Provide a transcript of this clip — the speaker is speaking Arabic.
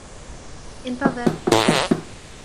انتظر.